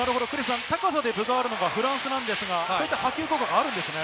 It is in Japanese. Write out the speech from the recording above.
高さで分があるのはフランスですが、波及効果があるんですね。